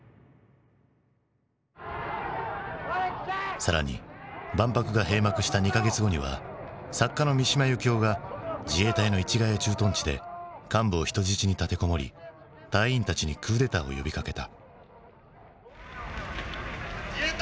更に万博が閉幕した２か月後には作家の三島由紀夫が自衛隊の市ヶ谷駐屯地で幹部を人質に立て籠もり隊員たちにクーデターを呼びかけた。